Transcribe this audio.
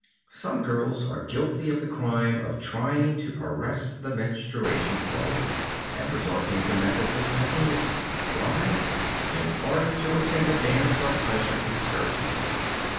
Some girls are guilty of the crime of trying to arrest the menstruation flow, and resorting to methods of stopping it. Why? In order to attend a dance or pleasure excursion!